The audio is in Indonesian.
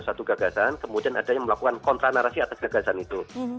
satu gagasan kemudian ada yang melakukan kontra narasi atas gagasan itu